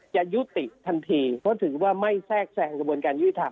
จะยุติทันทีเพราะถือว่าไม่แทรกแทรงกระบวนการยุติธรรม